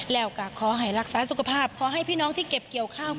แล้วก็ขอให้รักษาสุขภาพขอให้พี่น้องที่เก็บเกี่ยวข้าว